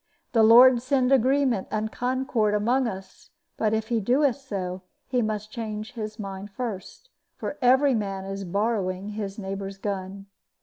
The Lord send agreement and concord among us; but, if He doeth so, He must change his mind first, for every man is borrowing his neighbor's gun.